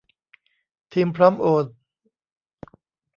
ทีมพร้อมโอน